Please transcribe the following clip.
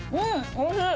おいしい！